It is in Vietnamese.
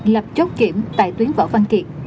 lập chốt kiểm tại tuyến võ văn kiệt